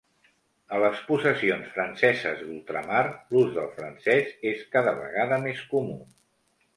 A les possessions franceses d'ultramar, l'ús del francès és cada vegada més comú.